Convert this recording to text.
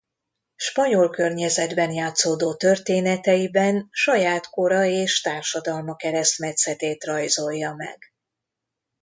Spanyol környezetben játszódó történeteiben saját kora és társadalma keresztmetszetét rajzolja meg.